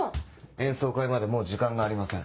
演奏会までもう時間がありません